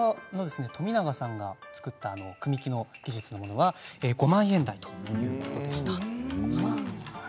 富永さんが作った組み木の技術のものは５万円台ということでした。